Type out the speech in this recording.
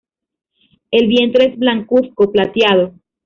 El vientre es blancuzco-plateado.